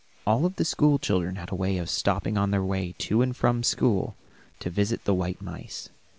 All the school children had a way of stopping on their way to and from school to visit the white mice.